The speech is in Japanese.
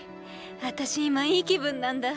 あたし今いい気分なんだ！